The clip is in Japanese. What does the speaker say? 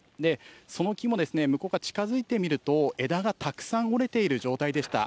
その木も向こう側に近づいてみると、枝がたくさん折れている状態でした。